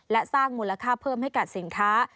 และสร้างมูลค่าเพิ่มให้กับสินค้า